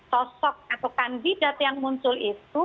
sosok atau kandidat yang muncul itu